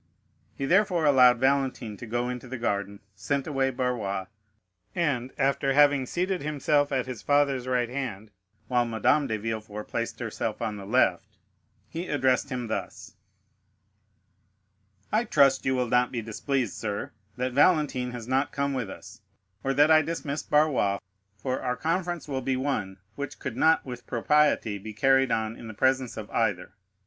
He therefore allowed Valentine to go into the garden, sent away Barrois, and after having seated himself at his father's right hand, while Madame de Villefort placed herself on the left, he addressed him thus: "I trust you will not be displeased, sir, that Valentine has not come with us, or that I dismissed Barrois, for our conference will be one which could not with propriety be carried on in the presence of either.